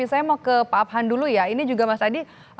saya mau ke pak abhan dulu ya ini juga mas adi